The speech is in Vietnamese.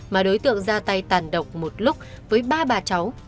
mà đối tượng ra tay tàn độc một lúc với ba bà cháu